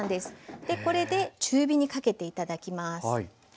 これで中火にかけて頂きます。